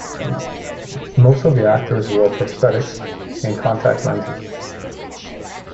Most of the actors wore prosthetics and contact lenses.